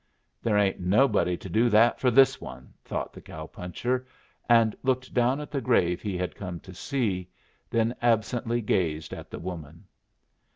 "There ain't nobody to do that for this one," thought the cow puncher, and looked down at the grave he had come to see, then absently gazed at the woman.